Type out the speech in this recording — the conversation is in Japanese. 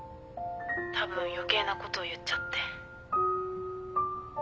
たぶん余計なこと言っちゃって。